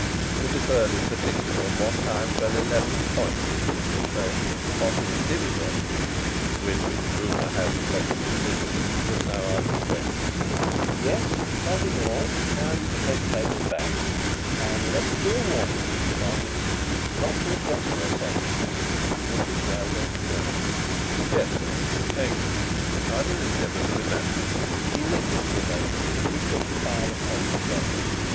The Deferred in particular at one time fell eleven points as it was felt that the possible dividend, with which rumour has of late been busy, was now out of the question.'" "Yes; that is all. Now you can take the papers back. And let it be a warning to you, Parkinson, not to invest your savings in speculative railway deferreds." "Yes, sir. Thank you, sir, I will endeavour to remember." He lingered for a moment as he shook the file of papers level.